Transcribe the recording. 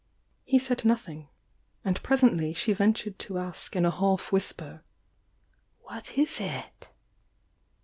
He said nothing— and presently she ventured to ask in a half whisper: "What is it?"